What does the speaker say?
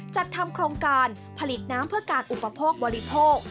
จัดทำโครงการผลิตน้ำเพื่อการอุปโภคบริโภค